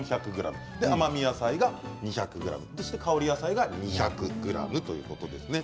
甘み野菜が２００ｇ香り野菜が２００ｇということですね。